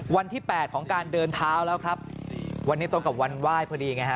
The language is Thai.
วันที่แปดของการเดินเท้าแล้วครับวันนี้ตรงกับวันไหว้พอดีไงฮะ